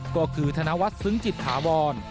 ก็คือธนวัฒน์ซึ้งจิตถาวร